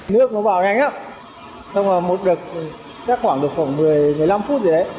nước nó bỏ nhanh lắm xong rồi một đợt chắc khoảng được khoảng một mươi một mươi năm phút gì đấy